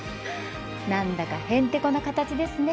何だかへんてこな形ですね。